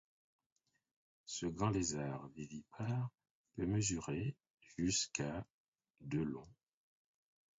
Ce grand lézard vivipare peut mesurer jusqu'à de long.